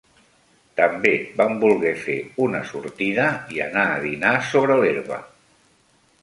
També van volguer fer una sortida i anar a dinar sobre l'herba